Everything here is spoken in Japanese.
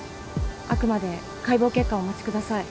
あくまで解剖結果をお待ちください。